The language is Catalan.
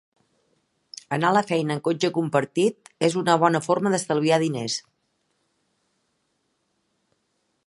Anar a la feina en cotxe compartit és una bona forma d'estalviar diners.